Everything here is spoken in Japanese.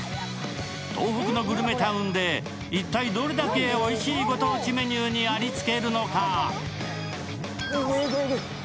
東北のグルメタウンで一体どれだけおいしいご当地メニューにありつけるのか。